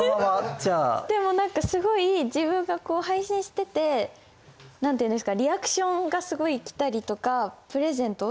でも何かすごい自分がこう配信してて何て言うんですかリアクションがすごい来たりとかプレゼント